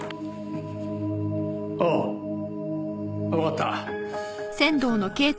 ああわかった。